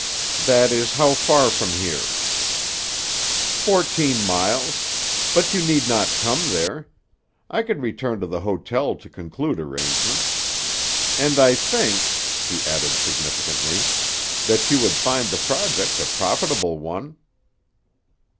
"That is how far from here?" "Fourteen miles; but you need not come there. I could return to the hotel to conclude arrangements. And I think," he added significantly, "that you would find the project a profitable one."